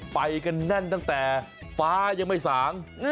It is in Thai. ไปกันแน่นตั้งแต่ฟ้ายังไม่สาง